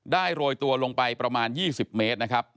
โรยตัวลงไปประมาณ๒๐เมตรนะครับ